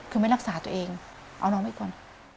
คือไม่รักษาตัวเองเอาน้องไว้ก่อน